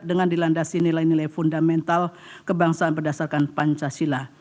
dengan dilandasi nilai nilai fundamental kebangsaan berdasarkan pancasila